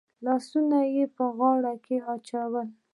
لاسونه يې غاړه کې واچول.